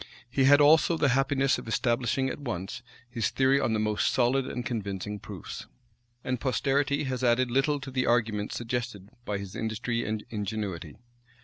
He had also the happiness of establishing at once his theory on the most solid and convincing proofs; and posterity has added little to the arguments suggested by his industry and ingenuity.